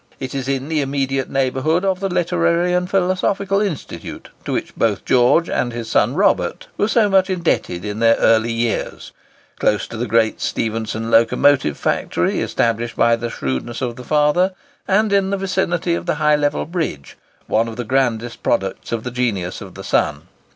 It is in the immediate neighbourhood of the Literary and Philosophical Institute, to which both George and his son Robert were so much indebted in their early years; close to the great Stephenson locomotive foundry established by the shrewdness of the father; and in the vicinity of the High Level Bridge, one of the grandest products of the genius of the son.